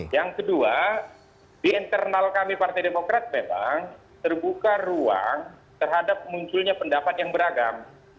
yang kedua di internal kami partai demokrat memang terbuka ruang terhadap munculnya pendapat yang beragam